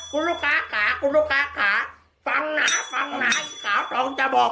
คุณลูกค้าขาคุณลูกค้าขาฟังนะฟังหนาขาปลองจะบอก